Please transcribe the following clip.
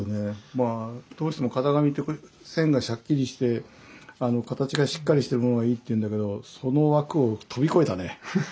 まあどうしても型紙って線がしゃっきりして形がしっかりしてるものがいいっていうんだけどその枠を飛び越えたね。